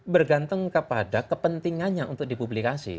bergantung kepada kepentingannya untuk dipublikasi